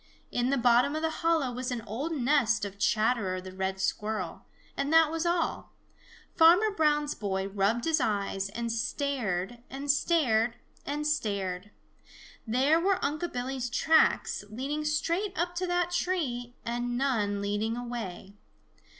In the bottom of the hollow was an old nest of Chatterer the Red Squirrel, and that was all. Farmer Brown's boy rubbed his eyes and stared and stared and stared. There were Unc' Billy's tracks leading straight up to that tree and none leading away.